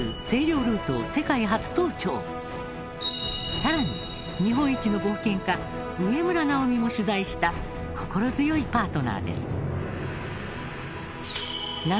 更に日本一の冒険家植村直己も取材した心強いパートナーです。